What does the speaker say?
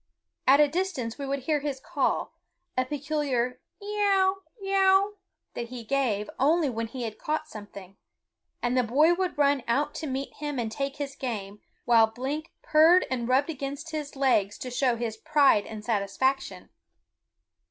At a distance we would hear his call, a peculiar yeow yow that he gave only when he had caught something, and the boy would run out to meet him and take his game, while Blink purred and rubbed against his legs to show his pride and satisfaction.